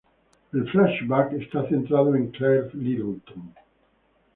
El flashback está centrado en Claire Littleton.